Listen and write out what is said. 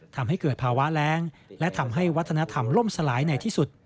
ทำให้เกิดภาวะแรงและทำให้วัฒนธรรมล่มสลายในที่สุด